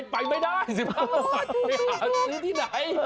ไปไม่ได้๑๕บาทไปหาซื้อที่ไหน